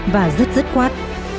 và rất dứt khoát